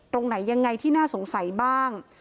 ตรงไหนยังไงที่น่าสงสัยบ้าง